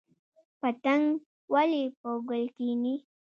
پتنګ ولې په ګل کیني؟